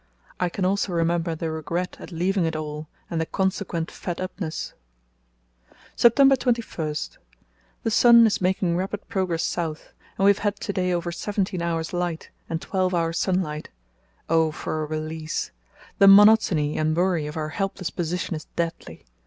I can also remember the regret at leaving it all and the consequent 'fedupness.' "September 21.—The sun is making rapid progress south, and we have had to day over seventeen hours' light and twelve hours' sunlight. Oh for a release! The monotony and worry of our helpless position is deadly.